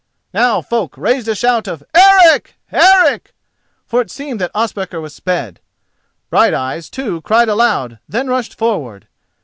Now folk raised a shout of "Eric! Eric!" for it seemed that Ospakar was sped. Brighteyes, too, cried aloud, then rushed forward.